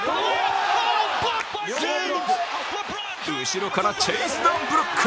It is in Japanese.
後ろからチェイスダウンブロック！